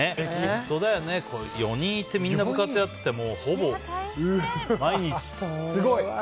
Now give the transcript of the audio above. ４人いて、みんな部活やっててすごい。